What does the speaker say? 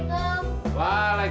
nggak puas lagi